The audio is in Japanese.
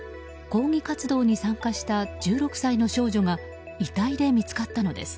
抗議活動に参加した１６歳の少女が遺体で見つかったのです。